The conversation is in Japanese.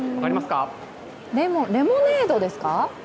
レモン、レモネードですか？